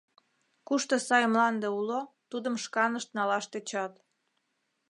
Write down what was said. Кушто сай мланде уло, тудым шканышт налаш тӧчат.